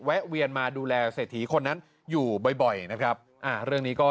เวียนมาดูแลเศรษฐีคนนั้นอยู่บ่อยบ่อยนะครับอ่าเรื่องนี้ก็